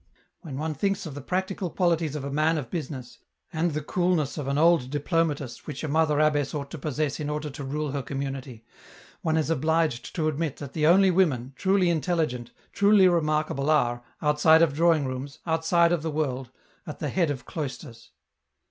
When one thinks of the practical qualities of a man of business, and the coolness of an old diplomatist which a mother abbess ought to possess in order to rule her community, one is obliged to admit that the only women, truly intelligent, truly remark able are, outside of drawing rooms, outside of the world, at the head of cloisters.